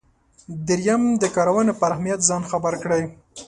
دریم د کارونې پر اهمیت ځان خبر کړئ.